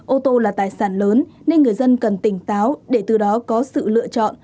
ô tô là tài sản lớn nên người dân cần tỉnh táo để từ đó có sự lựa chọn